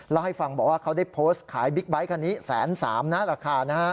แล้วให้ฟังบอกว่าเขาได้โพสต์ขายบิ๊กไบท์คันนี้แสนสามนะราคานะฮะ